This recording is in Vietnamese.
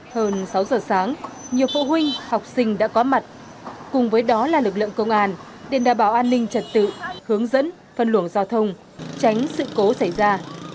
hơn sáu giờ sáng nhiều phụ huynh học sinh đã có mặt cùng với đó là lực lượng công an để đảm bảo an ninh trật tự hướng dẫn phân luồng giao thông tránh sự cố xảy ra